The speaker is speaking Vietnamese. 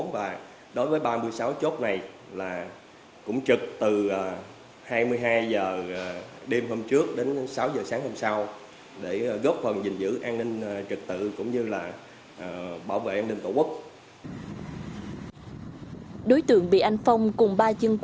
và đối với ba mươi sáu chốt này là cũng trực từ hai mươi hai h đêm hôm trước đến sáu h sáng hôm nay